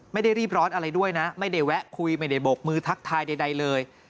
ไม่ได้รีบร้อนอะไรด้วยนะไม่ได้แวะคุยไม่ได้บกมือทักทายใดเลย